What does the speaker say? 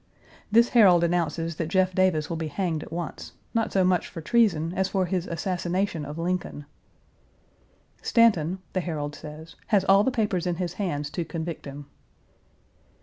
This Herald announces that Jeff Davis will be hanged at once, not so much for treason as for his assassination of Lincoln. "Stanton," the Herald says, "has all the papers in his hands to convict him."